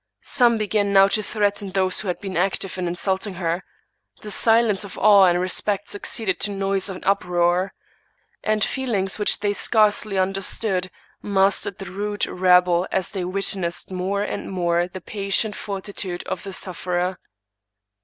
Some began now to threaten those who had been active in insulting her. The silence of awe and respect succeeded to noise and uproar; and feelings which they scarcely understood, mastered the rude rabble as they witnessed more and more the patient fortitude of the sufferer.